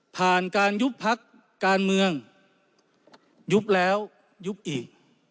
ผ่านการยุบพักการเมืองยุบแล้วยุบอีก